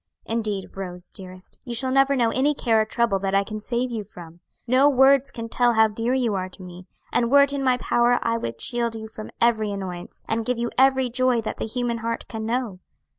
Indeed, Rose, dearest, you shall never know any care or trouble that I can save you from. No words can tell how dear you are to me, and were it in my power I would shield you from every annoyance, and give you every joy that the human heart can know.